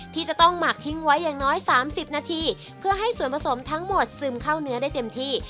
ที่จะต้องหมักทิ้งไว้อย่างน้อย๓๐นาทีเพื่อให้ส่วนผสมทั้งหมดซึมเข้าเนื้อได้เต็มที่